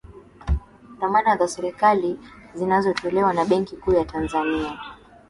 dhamana za serikali zinazotolewa na benki kuu ya tanzania